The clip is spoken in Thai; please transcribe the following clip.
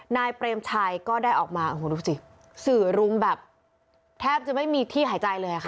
นายเปรมชัยก็ได้ออกมาโอ้โหดูสิสื่อรุมแบบแทบจะไม่มีที่หายใจเลยค่ะ